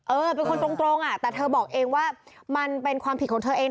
เออเป็นคนตรงอ่ะแต่เธอบอกเองว่ามันเป็นความผิดของเธอเอง